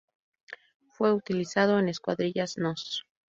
Fue utilizado en escuadrillas nos.